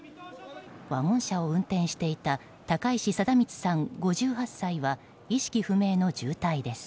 ワゴン車を運転していた高石貞光さん、５８歳は意識不明の重体です。